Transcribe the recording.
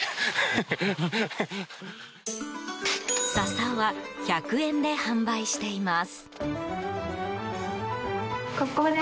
笹は１００円で販売しています。